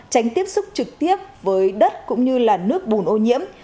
tránh tiếp xúc trực tiếp với đất cũng như là nước bùn ô nhiễm